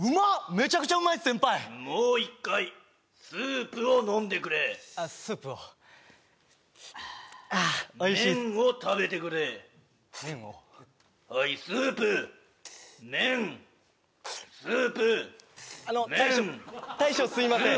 めちゃくちゃうまいっす先輩もう一回スープを飲んでくれスープをあおいしいっす麺を食べてくれ麺をはいスープ麺スープ麺・あの大将・大将すみません